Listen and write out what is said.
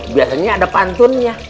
biasanya ada pantun ya